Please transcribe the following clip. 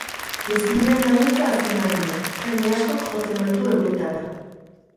Ezinean dabiltza azken aldian, jende askok jotzen baitu euretara.